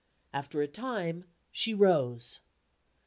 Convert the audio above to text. After a time, she rose.